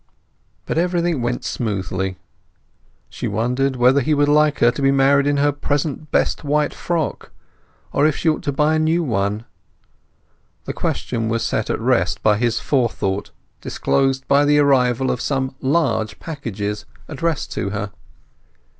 But everything went smoothly. She wondered whether he would like her to be married in her present best white frock, or if she ought to buy a new one. The question was set at rest by his forethought, disclosed by the arrival of some large packages addressed to her.